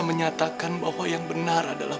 menyatakan bahwa yang benar adalah